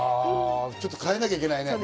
ちょっと変えなきゃいけないね。